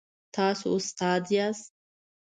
تاسو استاد یاست؟